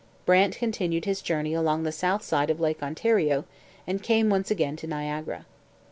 Brant continued his journey along the south side of Lake Ontario, and came once again to Niagara.